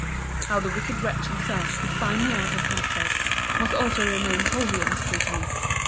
How the wicked wretch himself could find me out at Hampstead, must also remain wholly a mystery to me.